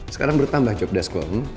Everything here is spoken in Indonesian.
sekarang bertambah job desk lo